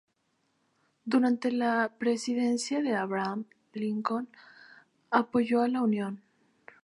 Durante la presidencia de Abraham Lincoln, apoyó a la Unión.